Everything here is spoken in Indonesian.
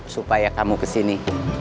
supaya kamu kesini